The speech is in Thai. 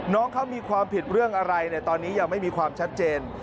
น้องเขามีความผิดเรื่องอะไรตอนนี้ยังไม่มีความชัดเจน